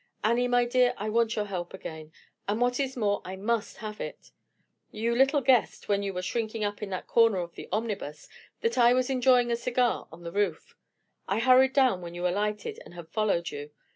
Annie, my dear, I want your help again; and what is more, I must have it. You little guessed, when you were shrinking up in that corner of the omnibus, that I was enjoying a cigar on the roof. I hurried down when you alighted, and have followed you.